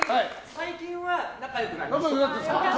最近は仲良くなりました。